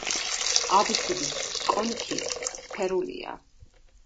აბსიდის კონქი სფერულია.